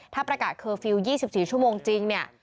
ถ้าประกาศเคอร์ฟิลล์๒๔ชั่วโมงจริงเนี่ย